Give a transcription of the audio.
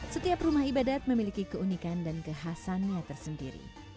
setiap rumah ibadat memiliki keunikan dan kekhasannya tersendiri